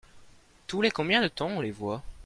Tous les combien de temps on les voit ?